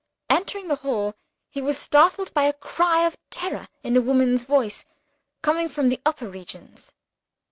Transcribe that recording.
Entering the hall, he was startled by a cry of terror in a woman's voice, coming from the upper regions.